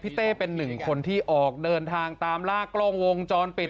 เต้เป็นหนึ่งคนที่ออกเดินทางตามลากกล้องวงจรปิด